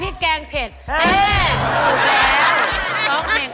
โอเคสองเม็ดกว่า๒๗บาท